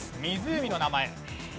湖の名前。